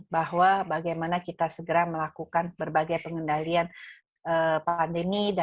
bahwa bagaimana kita segera melakukan berbagai pengendalian pandemi